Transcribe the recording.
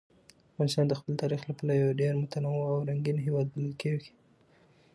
افغانستان د خپل تاریخ له پلوه یو ډېر متنوع او رنګین هېواد بلل کېږي.